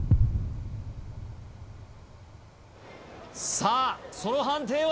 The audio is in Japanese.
さあその判定は？